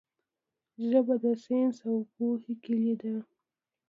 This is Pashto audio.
ژبه د ساینس او پوهې کیلي ده.